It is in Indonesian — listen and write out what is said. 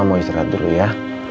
mau istirahat dulu ya